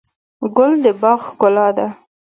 ګل د باغ ښکلا ده.